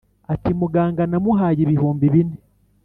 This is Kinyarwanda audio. Ati Muganga namuhaye ibihumbi bine